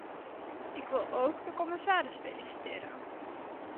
Ik wil ook de commissaris feliciteren.